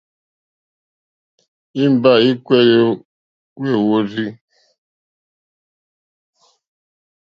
Èmgbâ èkpéélì wêhwórzí.